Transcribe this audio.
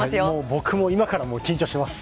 僕も今から緊張しています。